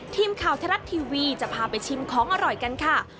ทีมข่าวไทยรัฐทีวีจะพาไปชิมของอร่อยกันค่ะ